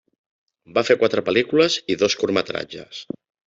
Va fer quatre pel·lícules i dos curtmetratges.